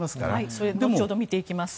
それは後ほど見ていきます。